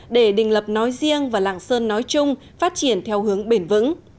để đình lập nói riêng và lạng sơn nói chung phát triển theo hướng bền vững